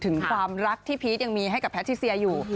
ถึงความรักที่พีชยังมีให้กับแพทิเซียอยู่